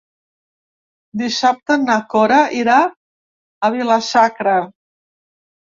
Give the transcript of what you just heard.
Dissabte na Cora irà a Vila-sacra.